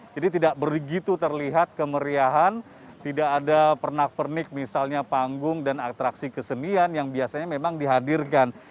jadi tidak begitu terlihat kemeriahan tidak ada pernak pernik misalnya panggung dan atraksi kesenian yang biasanya memang dihadirkan